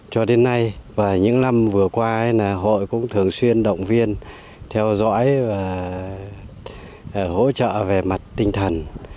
cho đến nay và những năm vừa qua hội cũng thường xuyên động viên theo dõi và hỗ trợ về mặt tinh thần